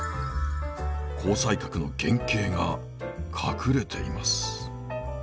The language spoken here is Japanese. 紅彩閣の原型が隠れています。